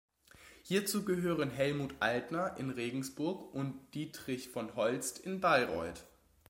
Hierzu gehören Helmut Altner in Regensburg und Dietrich von Holst in Bayreuth.